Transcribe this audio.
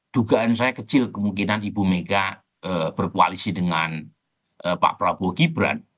dugaan saya kecil kemungkinan ibu mega berkoalisi dengan pak prabowo gibran